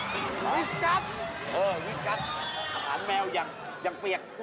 วิทย์จัดอ่อวิทย์จัดอาหารแมวยังเปรียก